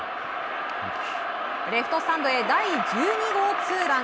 レフトスタンドへ第１２号ツーラン！